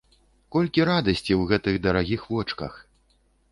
Колькі радасці ў гэтых дарагіх вочках!